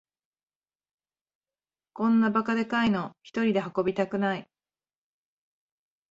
こんなバカでかいのひとりで運びたくない